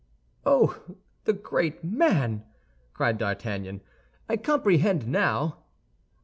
"Oh, the great man!" cried D'Artagnan. "I comprehend now."